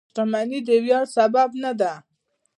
• شتمني د ویاړ سبب نه ده.